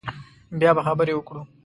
بیا به خبرې وکړو